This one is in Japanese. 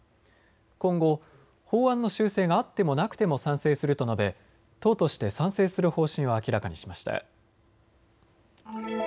今後、法案の修正があってもなくても賛成すると述べ党として賛成する方針を明らかにしました。